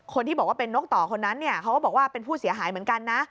คนที่บอกว่าเป็นนกต่อคนนั้นเนี่ยเขาก็บอกว่าเป็นผู้เสียหายเหมือนกันนะ